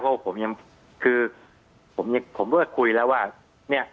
เพราะผมยังคือผมยังผมก็คุยแล้วว่าเนี่ย